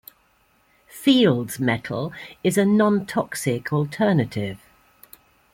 Field's metal is a non-toxic alternative.